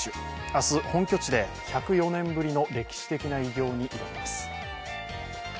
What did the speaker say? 明日、本拠地で１０４年ぶりの歴史的な偉業に挑みます。